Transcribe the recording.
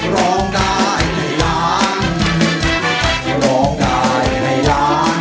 ขอบคุณค่ะ